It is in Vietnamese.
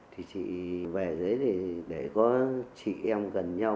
thì chị về dưới thì để có chị em gần nhau